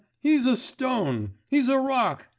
He's a stone! he's a rock!